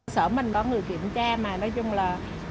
sở mình có người kiểm tra mà nói chung là